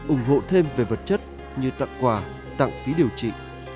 ủng hộ thêm về vật chất như tặng quà tặng phí điều trị